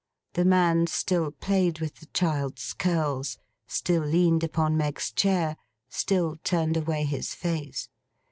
The man still played with the child's curls, still leaned upon Meg's chair, still turned away his face.